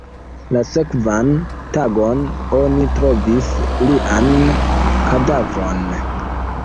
La sekvan tagon, oni trovis lian kadavron.